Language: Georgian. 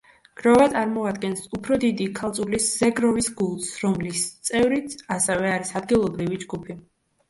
გროვა წარმოადგენს უფრო დიდი, ქალწულის ზეგროვის გულს, რომლის წევრიც ასევე არის ადგილობრივი ჯგუფი.